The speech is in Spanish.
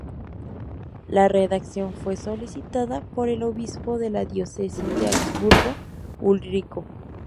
La redacción fue solicitada por el obispo de la diócesis de Augsburgo Ulrico.